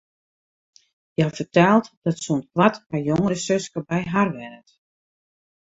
Hja fertelt dat sûnt koart har jongere suske by har wennet.